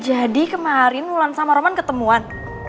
jadi kemarin ulan sama roman ketemuan